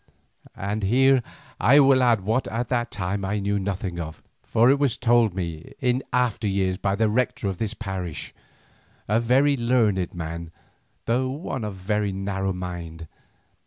And here I will add what at the time I knew nothing of, for it was told me in after years by the Rector of this parish, a very learned man, though one of narrow mind.